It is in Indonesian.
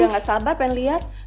udah nggak sabar pengen lihat